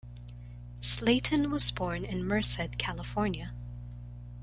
Slaton was born in Merced, California.